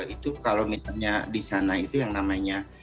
itu kalau misalnya di sana itu yang namanya